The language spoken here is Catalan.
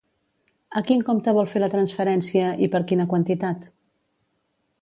A quin compte vol fer la transferència, i per quina quantitat?